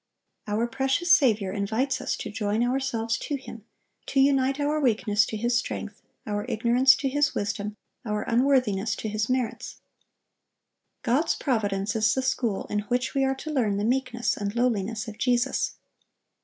Our precious Saviour invites us to join ourselves to Him, to unite our weakness to His strength, our ignorance to His wisdom, our unworthiness to His merits. God's providence is the school in which we are to learn the meekness and lowliness of Jesus.